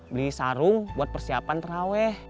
beli sarung buat persiapan terawih